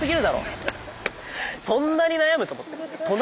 そんなに悩む？と思って。